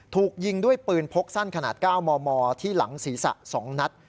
ถูกยิงด้วยปืนพกสั้นขนาด๙มมที่หลังศีรษะ๒นัด